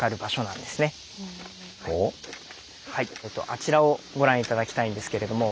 あちらをご覧頂きたいんですけれども。